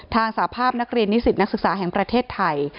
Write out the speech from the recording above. สภาพนักเรียนนิสิตนักศึกษาแห่งประเทศไทย